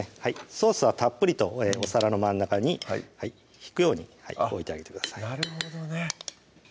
ソースはたっぷりとお皿の真ん中にひくように置いてあげてくださいなるほどね